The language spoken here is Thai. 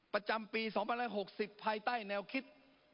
ประจำปี๒๖๐ภายใต้แนวคิด